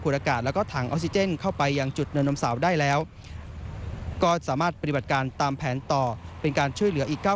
ได้แล้วก็สามารถปฏิบัติการตามแผนต่อเป็นการช่วยเหลืออีกเก้า